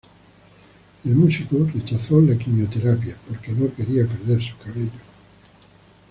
El músico rechazó la quimioterapia porque no quería perder su cabello.